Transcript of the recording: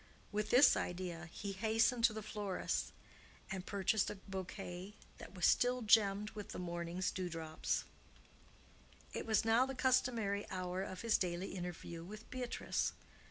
With this idea he hastened to the florist's and purchased a bouquet that was still gemmed with the morning dew drops. It was now the customary hour of his daily interview with Beatrice.